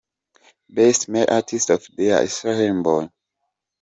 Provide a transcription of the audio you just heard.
Best Male artist of the year: Israel Mbonyi .